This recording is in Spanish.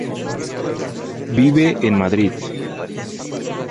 Vive en Madrid.